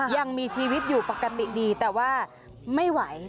ยังมีชีวิตอยู่ปกติดีแต่ว่าไม่ไหว